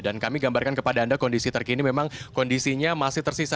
dan kami gambarkan kepada anda kondisi terkini memang kondisinya masih tersisa